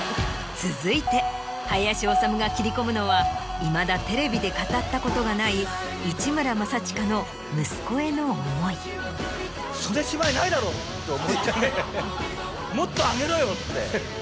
続いて林修が切り込むのはいまだテレビで語ったことがない市村正親の息子への思い。って思っちゃって。